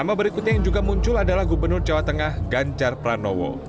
nama berikutnya yang juga muncul adalah gubernur jawa tengah ganjar pranowo